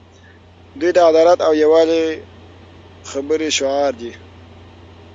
دوی د عدالت او یووالي خبرې شعار دي.